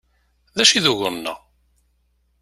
D acu i d ugur-nneɣ?